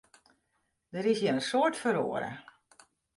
Der is hjir in soad feroare.